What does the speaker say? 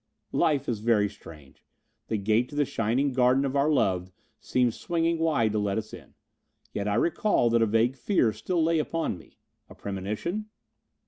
Life is very strange! The gate to the shining garden of our love seemed swinging wide to let us in. Yet I recall that a vague fear still lay on me. A premonition?